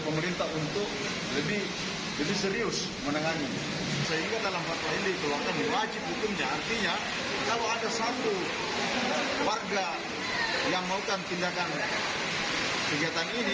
pemerintah berdosa secara hukum agama